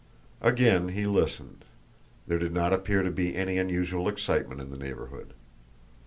Again he listened. There did not appear to be any unusual excitement in the neighbourhood.